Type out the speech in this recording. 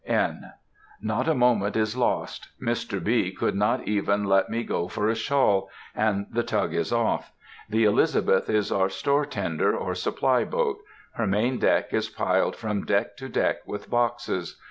(N.) Not a moment is lost,—Mr. B. would not even let me go for a shawl,—and the tug is off. The Elizabeth is our store tender or supply boat; her main deck is piled from deck to deck with boxes.